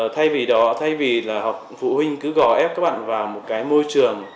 thay vì đó thay vì là phụ huynh cứ gò ép các bạn vào một cái môi trường